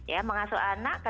ya mengasuh anak